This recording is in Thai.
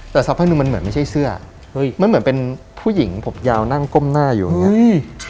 แต่สักพักหนึ่งมันเหมือนไม่ใช่เสื้อมันเหมือนเป็นผู้หญิงผมยาวนั่งก้มหน้าอยู่อย่างเงี้อืม